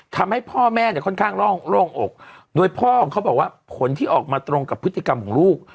ทำให้พ่อแม่เนี่ยค่อนข้างโล่งอกโดยพ่อของเขาบอกว่าผลที่ออกมาตรงกับพฤติกรรมของลูก